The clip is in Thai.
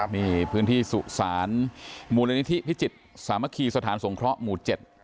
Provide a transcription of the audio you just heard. นี่พื้นที่สุสานมูลนิธิพิจิตรสามัคคีสถานสงเคราะห์หมู่๗